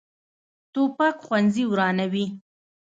توپک ښوونځي ورانوي.